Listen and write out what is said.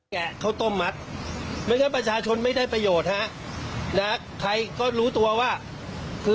แกะเขาต้มมัดประชาชนไม่ได้ประโยชน์นะใครก็รู้ตัวว่าคือ